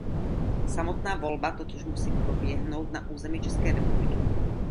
Samotná volba totiž musí proběhnout na území České republiky.